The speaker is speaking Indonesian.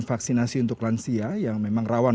vaksinasi untuk lansia yang memang rawan